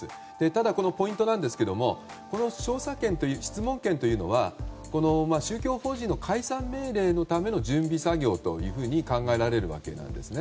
ただ、ポイントですがこの調査権、質問権というのは宗教法人の解散命令のための準備作業というふうに考えられるわけです。